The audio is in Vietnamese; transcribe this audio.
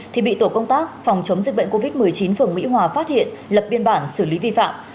thì bị tổ công tác phòng chống dịch bệnh covid một mươi chín phường mỹ hòa phát hiện lập biên bản xử lý vi phạm